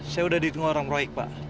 saya udah ditunggu orang roik pak